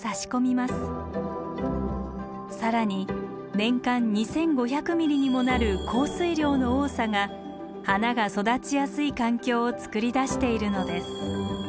更に年間２，５００ｍｍにもなる降水量の多さが花が育ちやすい環境をつくり出しているのです。